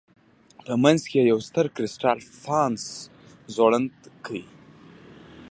په منځ کې یې یو ستر کرسټال فانوس ځوړند کړ.